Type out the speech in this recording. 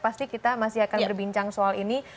pasti kita masih akan berbincang soal ini